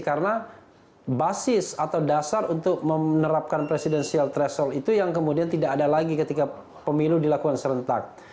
karena basis atau dasar untuk menerapkan presidensial threshold itu yang kemudian tidak ada lagi ketika pemilu dilakukan serentak